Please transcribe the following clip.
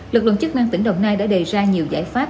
lực lượng chức năng tỉnh đồng nai đã đề ra nhiều giải pháp